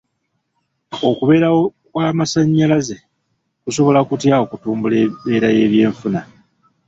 Okubeerawo kw'amasannyalaze kusobola kutya okutumbula embeera y'ebyenfuna?